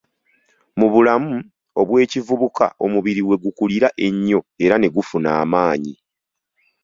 Mu bulamu obw'ekivubuka omubiri we gukulira ennyo era ne gufuna amaanyi.